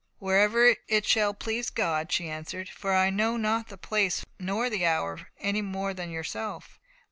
"Wherever it shall please God," she answered, "for I know not the place nor the hour any more than yourself.